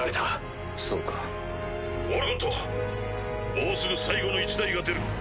もうすぐ最後の１台が出る。